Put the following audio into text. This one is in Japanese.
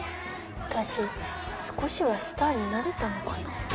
私少しはスターになれたのかな。